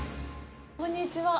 こんにちは